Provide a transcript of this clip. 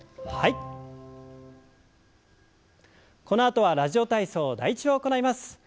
このあとは「ラジオ体操第１」を行います。